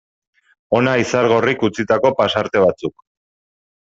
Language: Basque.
Hona Izargorrik utzitako pasarte batzuk.